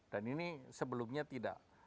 dan ini sebelumnya tidak